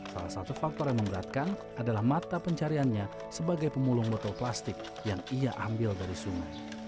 salah satu faktor yang memberatkan adalah mata pencariannya sebagai pemulung botol plastik yang ia ambil dari sungai